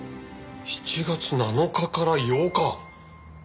７月７日から８日！